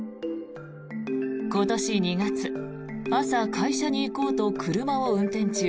今年２月、朝会社に行こうと車を運転中